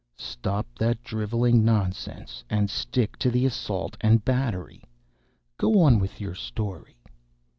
"Stop that driveling nonsense and stick to the assault and battery. Go on with your story."